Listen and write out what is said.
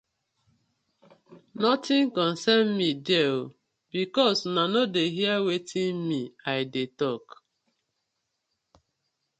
Notin concern mi there because una no dey hear wetin me I dey tok.